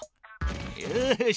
よし。